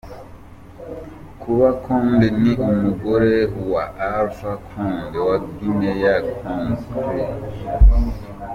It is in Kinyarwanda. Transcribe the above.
Kaba Condé ni umugore wa Alpha Condé wa Guinea Conakry.